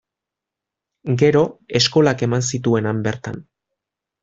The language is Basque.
Gero, eskolak eman zituen han bertan.